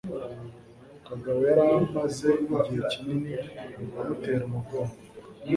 Kagabo yari amaze igihe kinini amutera umugongo